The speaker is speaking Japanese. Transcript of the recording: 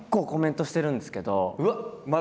うわっ！